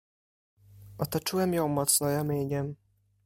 "Otoczyłem ją mocno ramieniem."